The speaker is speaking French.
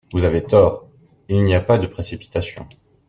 Vous avez tort ! Il n’y a pas de précipitation.